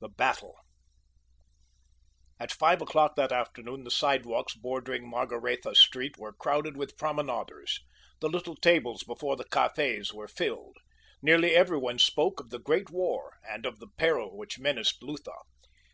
THE BATTLE At five o'clock that afternoon the sidewalks bordering Margaretha Street were crowded with promenaders. The little tables before the cafes were filled. Nearly everyone spoke of the great war and of the peril which menaced Lutha.